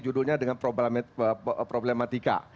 judulnya dengan problematika